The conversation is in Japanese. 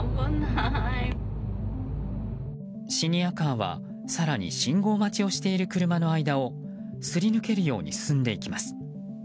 シニアカーは更に信号待ちをしている車の間をすり抜けるように進んでいきます。